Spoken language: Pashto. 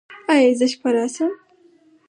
ایا زه شپه راشم؟